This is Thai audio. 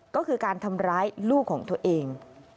ก็คือการทำร้ายลูกของตัวเอง